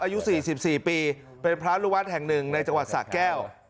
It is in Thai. อายุ๔๔ปีเป็นพระลูกวัดแห่งหนึ่งในจังหวัดสะแก้ว